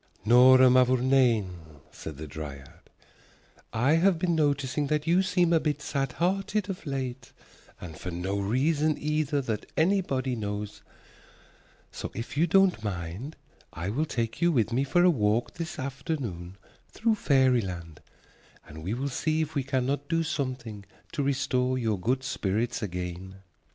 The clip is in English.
"Nora Mavourneen," said the dryad, "I have been noticing that you seem a bit sad hearted of late, and for no reason either that anybody knows, so if you don't mind I will take you with me for a walk this afternoon through fairyland, and we will see if we cannot do something to restore your good spirits again."